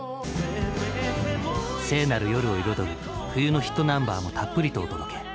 聖なる夜を彩る冬のヒットナンバーもたっぷりとお届け。